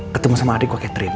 ketemu sama adik kok catherine